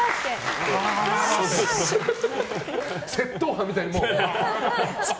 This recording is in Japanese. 窃盗犯みたいに、もう。